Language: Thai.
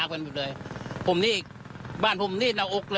นี่แหละนี่แหละนี่แหละนี่แหละนี่แหละ